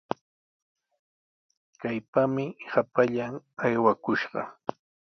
¡Kaypami hapallan aywakushqa!